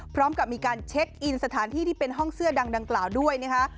พร้อมกับมีการเช็คอินสถานที่ที่เป็นห้องเสื้อดังดังกล่าวด้วยนะคะ